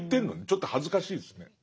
ちょっと恥ずかしいですね。